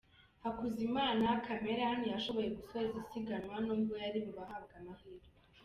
Hakuzimana Camera ntiyashoboye gusoza isiganwa nubwo yari mu habwa amahirwe.